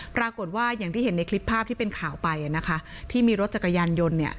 ปรากฏว่าอย่างที่เห็นในคลิปภาพที่เป็นข่าวไปอ่ะนะคะที่มีรถจักรยานยนต์เนี่ย